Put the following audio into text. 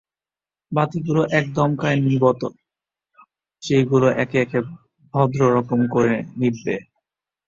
বাতিগুলো এক দমকায় নিবত, সেইগুলো একে একে ভদ্ররকম করে নিববে।